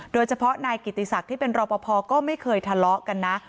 โดยเฉพาะนายกิติศักดิ์ที่เป็นรอปภก็ไม่เคยทะเลาะกันนะ